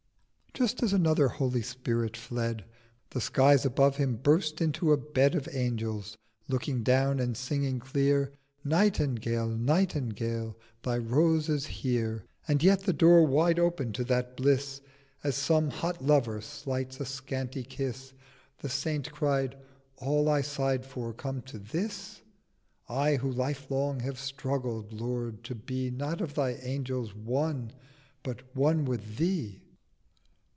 Just as another Holy Spirit fled, The Skies above him burst into a Bed Of Angels looking down and singing clear 790 'Nightingale! Nightingale! thy Rose is here!' And yet, the Door wide open to that Bliss, As some hot Lover slights a scanty Kiss, The Saint cried 'All I sigh'd for come to this? I who lifelong have struggled, Lord, to be Not of thy Angels one, but one with Thee!'